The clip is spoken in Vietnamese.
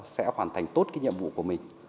sẽ hoàn thành tốt cái nhiệm vụ của mình